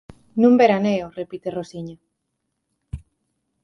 Nun veraneo –repite Rosiña.